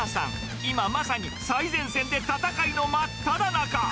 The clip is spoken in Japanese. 今、まさに最前線で戦いの真っただ中。